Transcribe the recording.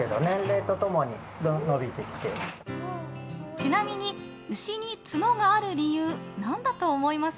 ちなみに牛に角がある理由何だと思います？